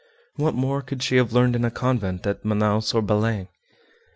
What more could she have learned in a convent at Manaos or Belem?